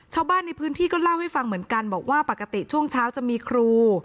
ชาวบ้านในพื้นที่ก็เล่าให้ฟังเหมือนกันบอกว่าปกติช่วงเช้าจะมีครู